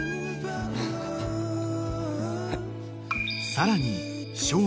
［さらに］